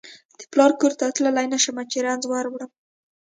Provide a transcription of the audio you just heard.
د پلار کور ته تللای نشم چې رنځ وروړم